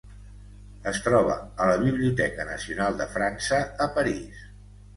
Es troba a la Biblioteca Nacional de França a París.